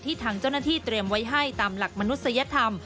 ทางเจ้าหน้าที่เตรียมไว้ให้ตามหลักมนุษยธรรม